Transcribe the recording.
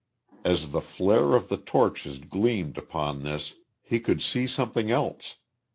As the flare of the torches gleamed upon this he could see something else.